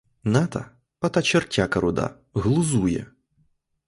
Ната, ота чортяка руда, глузує.